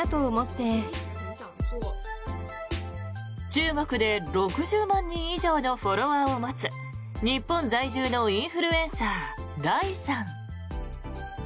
中国で６０万人以上のフォロワーを持つ日本在住のインフルエンサーライさん。